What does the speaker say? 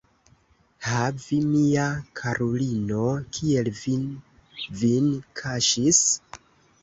Ha, vi, mia karulino, kiel vi vin kaŝis?